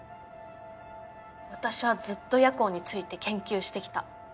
私はずっと夜行について研究してきた。